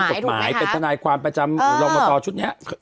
ดูเรื่องกฎหมายเป็นท่านายความประจำรองเร็วทอชุดนี้